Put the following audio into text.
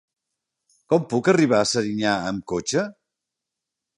Com puc arribar a Serinyà amb cotxe?